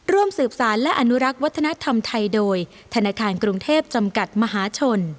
ร่วมสืบสารและอนุรักษ์วัฒนธรรมไทยโดยธนาคารกรุงเทพจำกัดมหาชน